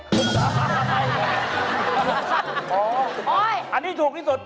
สุดารีอ๋ออันนี้ถูกที่สุด